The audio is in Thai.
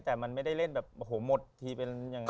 แต่มันไม่ได้เล่นแบบโหหมดทีเป็นอย่างนั้น